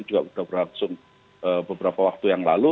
juga sudah berlangsung beberapa waktu yang lalu